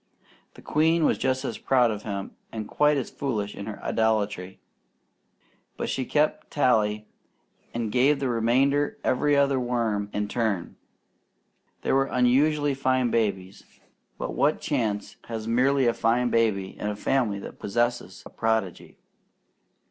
The queen was just as proud of him and quite as foolish in her idolatry, but she kept tally and gave the remainder every other worm in turn. They were unusually fine babies, but what chance has merely a fine baby in a family that possesses a prodigy?